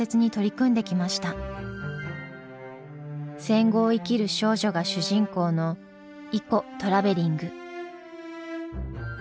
戦後を生きる少女が主人公の「イコトラベリング」。